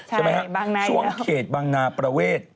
ใช่ไหมฮะช่วงเขตบางนาประเวท